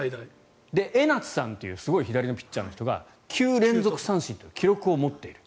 江夏さんというすごい左のピッチャーが９連続三振という記録を持っている。